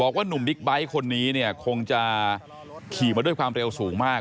ว่านุ่มบิ๊กไบท์คนนี้เนี่ยคงจะขี่มาด้วยความเร็วสูงมาก